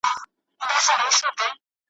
پښې چي مي مزلونو شوړولې اوس یې نه لرم ,